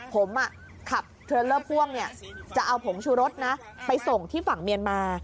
ผมขับเทรลเลอร์พ่วงจะเอาผงชูรสนะไปส่งที่ฝั่งเมียนมา